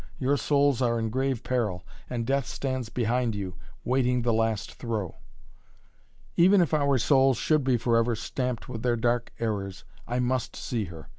Your souls are in grave peril and Death stands behind you, waiting the last throw." "Even if our souls should be forever stamped with their dark errors I must see her.